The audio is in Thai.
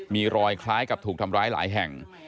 มีรอยคล้ายกับถูกทำร้ายหลายแห่ง